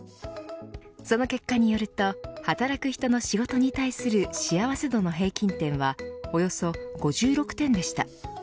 その結果によると働く人の仕事に対する幸せ度の平均点はおよそ５６点でした。